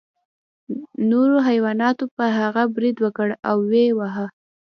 نورو حیواناتو په هغه برید وکړ او ویې واهه.